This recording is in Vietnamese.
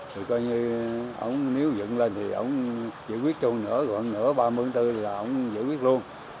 thì coi như nếu dựng lên thì ổng giữ quyết cho nửa vòng nửa ba mươi bốn là ổng giữ quyết luôn